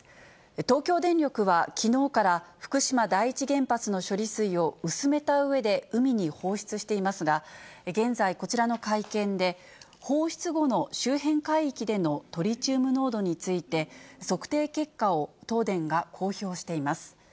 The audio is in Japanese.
東京電力はきのうから福島第一原発の処理水を薄めたうえで海に放出していますが、現在、こちらの会見で放出後の周辺海域でのトリチウム濃度について、測定結果を東電が公表しています。